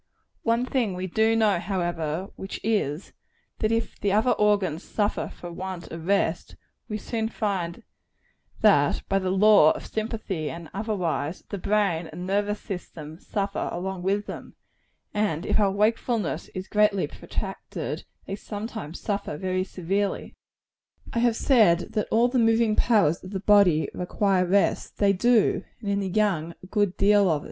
One thing we do know, however, which is, that if the other organs suffer for want of rest, we soon find that by the law of sympathy and otherwise, the brain and nervous system suffer along with them; and if our wakefulness is greatly protracted, they sometimes suffer very severely. I have said that all the moving powers of the body require rest. They do; and in the young, a good deal of it.